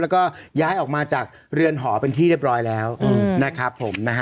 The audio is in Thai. แล้วก็ย้ายออกมาจากเรือนหอเป็นที่เรียบร้อยแล้วนะครับผมนะฮะ